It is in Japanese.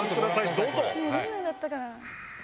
どんなんだったかな。